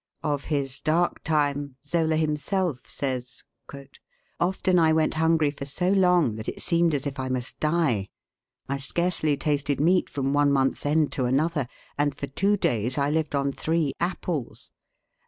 Of his dark time, Zola himself says: "Often I went hungry for so long, that it seemed as if I must die. I scarcely tasted meat from one month's end to another, and for two days I lived on three apples.